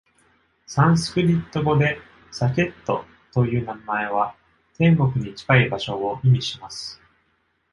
サンスクリット語で Saket という名前は、天国に近い場所を意味します。